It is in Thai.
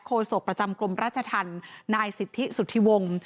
โศกประจำกรมราชธรรมนายสิทธิสุธิวงศ์